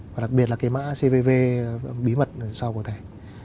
và đặc biệt là cái mã cvv bí mật sau của thẻ